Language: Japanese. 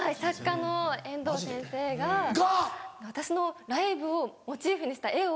私のライブをモチーフにした絵を。